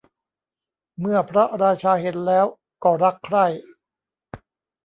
เมื่อพระราชาเห็นแล้วก็รักใคร่